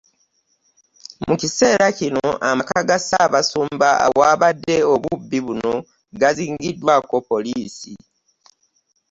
Mu kiseera kino amaka ga Ssaabasumba awaabadde obubbi buno gazingiddwako poliisi